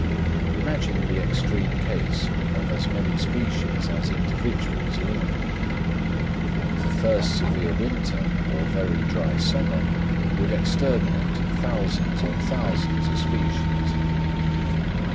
Imagine the extreme case of as many species as individuals in England, and the first severe winter or very dry summer would exterminate thousands on thousands of species.